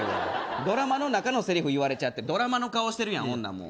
ドラマの中のセリフ言われちゃってドラマの顔してるやんほんならもう。